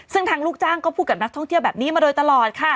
ซึ่งทางลูกจ้างก็พูดกับนักท่องเที่ยวแบบนี้มาโดยตลอดค่ะ